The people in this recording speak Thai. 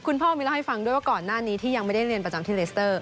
คุณพ่อมีเล่าให้ฟังด้วยว่าก่อนหน้านี้ที่ยังไม่ได้เรียนประจำที่เลสเตอร์